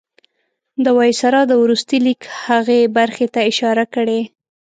د وایسرا د وروستي لیک هغې برخې ته اشاره کړې.